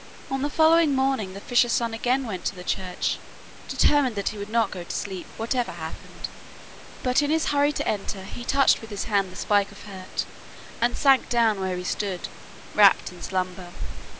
On the following morning the fisher's son again went to the church, determined that he would not go to sleep, whatever happened. But in his hurry to enter he touched with his hand the spike of hurt, and sank down where he stood, wrapped in slumber.